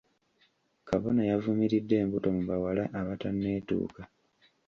Kabona yavumiridde embuto mu bawala abatanetuuka.